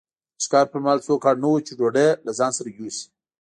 د ښکار پر مهال څوک اړ نه وو چې ډوډۍ له ځان سره یوسي.